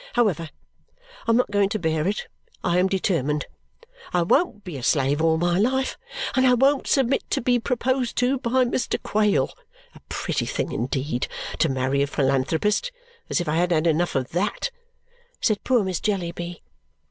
However, I am not going to bear it, I am determined. I won't be a slave all my life, and I won't submit to be proposed to by Mr. Quale. A pretty thing, indeed, to marry a philanthropist. As if I hadn't had enough of THAT!" said poor Miss Jellyby.